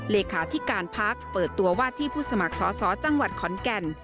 เลขาธิการพักเปิดตัวว่าที่ผู้สมัครสอสอจังหวัดขอนแก่น